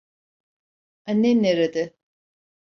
Annen nerede?